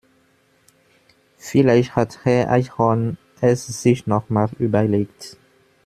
Vielleicht hat Herr Eichhorn es sich noch mal überlegt.